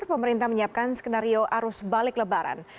pemerintah menyiapkan skenario arus balik lebaran